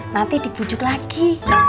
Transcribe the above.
nanti dibujuk lagi